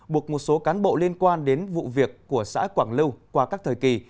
buộc một số cán bộ liên quan đến vụ việc của xã quảng lưu qua các thời kỳ